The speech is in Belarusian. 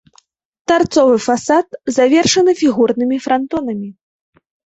Тарцовы фасад завершаны фігурнымі франтонамі.